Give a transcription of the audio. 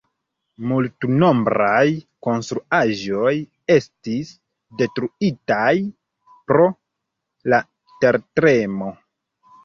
Multnombraj konstruaĵoj estis detruitaj pro la tertremo.